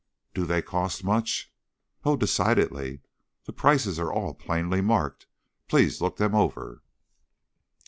"Do they cost much?" "Oh, decidedly! The prices are all plainly marked. Please look them over."